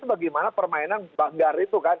bagaimana permainan banggar itu kan